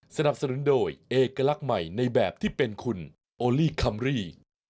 สนับสนุนโดยเอกลักษณ์ใหม่ในแบบที่เป็นคุณโอลี่คัมรี่